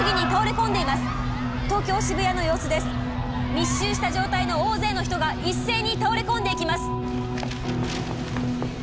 密集した状態の大勢の人が一斉に倒れ込んでいきます。